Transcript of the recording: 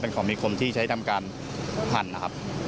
ของมีคมที่ใช้ทำการหั่นนะครับ